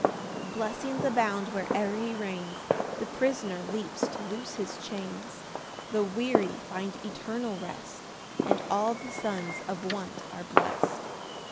6 Blessings abound where'er he reigns, The prisoner leaps to lose his chains, The weary find eternal rest, And all the sons of want are blest.